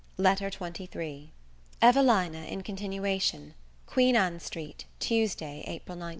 LETTER XXIII EVELINA IN CONTINUATION Queen Ann Street, Tuesday, April 19.